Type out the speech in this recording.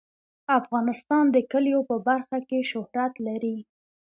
افغانستان د کلیو په برخه کې شهرت لري.